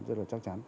rất là chắc chắn